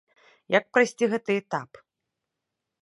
Як прайсці гэты этап?